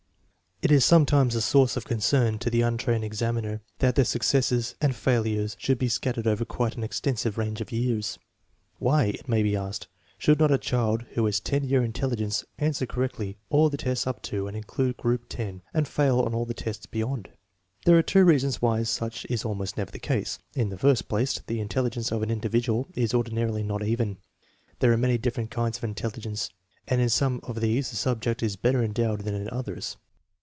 It is sometimes a source of con cern to the untrained examiner that the successes and fail ures should be scattered over quite an extensive range of years. Why, it may be asked, should not a child who has 10 year intelligence answer correctly all the tests up to and including group X, and fail on all the tests beyond? There are two reasons why such is almost never the case. In the first place, the intelligence of an individual is ordinarily not even. There are many different kinds of intelligence, and in some of these the subject is better endowed than in others.